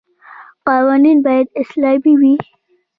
قوانین باید اسلامي وي.